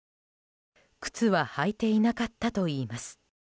靴は履いていなかったといいます。